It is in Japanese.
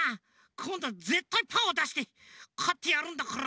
こんどはぜったいパーをだしてかってやるんだから！